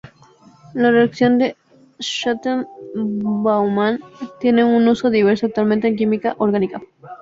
La reacción de Schotten–Baumann tiene un uso diverso actualmente en química orgánica.